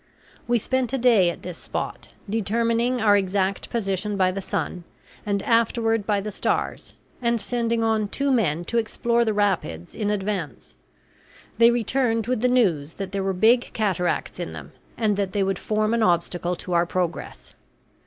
We spent a day at this spot, determining our exact position by the sun, and afterward by the stars, and sending on two men to explore the rapids in advance. They returned with the news that there were big cataracts in them, and that they would form an obstacle to our progress.